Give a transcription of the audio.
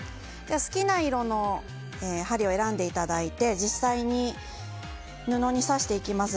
好きな色の針を選んでいただいて実際に布に刺していきます。